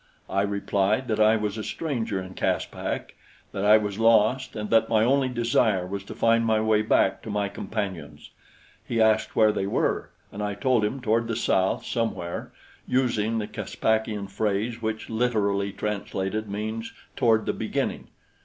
I replied that I was a stranger in Caspak, that I was lost and that my only desire was to find my way back to my companions. He asked where they were and I told him toward the south somewhere, using the Caspakian phrase which, literally translated, means "toward the beginning."